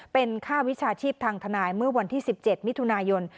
เป็นค่าวิชาชีพทางทนายเมื่อวันที่๑๗มิถุนายน